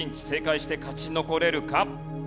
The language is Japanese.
正解して勝ち残れるか？